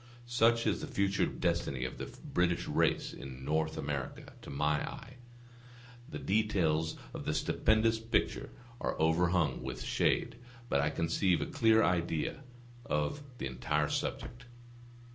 Such is the future destiny of the British race in North America to my eye; the details of the stupendous picture are overhung with shade, but I conceive a clear idea of the entire subject.